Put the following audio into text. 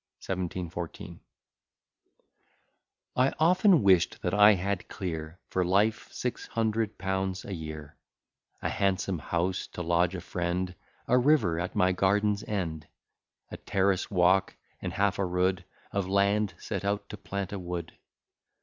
1714 I often wish'd that I had clear, For life, six hundred pounds a year, A handsome house to lodge a friend, A river at my garden's end, A terrace walk, and half a rood Of land, set out to plant a wood.